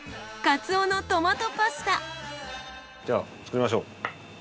じゃあ作りましょう。